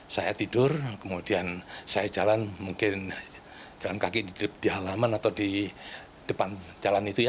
saya tidur kemudian saya jalan mungkin jalan kaki di halaman atau di depan jalan itu ya